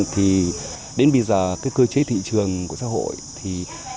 thì đến bây giờ cơ chế thị trường của xã hội